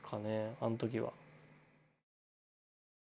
あん時は。